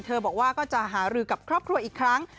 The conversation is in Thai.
บอกว่าก็จะหารือกับครอบครัวอีกครั้ง